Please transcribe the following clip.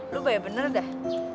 lu bayar bener dah